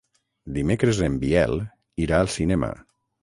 Dimecres en Biel irà al cinema.